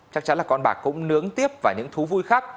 chắc chắn là con bạc cũng nướng tiếp vào những thú vui khác